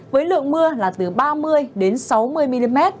với lượng mưa là từ ba mươi đến sáu mươi mm